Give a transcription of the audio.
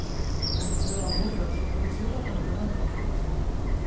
それは思いがそれだけ強かったのかなと思いました。